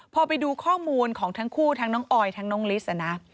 พอไปดูข้อมูลของทั้งคู่ทั้งน้องออยทั้งน้องลิสนะ